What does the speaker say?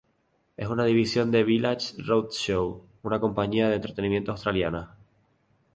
Es una división de Village Roadshow, una compañía de entretenimiento australiana.